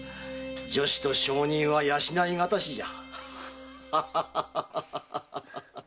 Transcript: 女子と小人は養い難しじゃ。